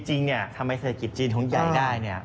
จริงทำให้เศรษฐกิจจีนของใหญ่ได้